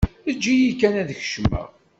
Eǧǧ-iyi kan ad kecmeɣ.